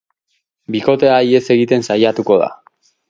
Bikotea ihes egiten saiatuko da.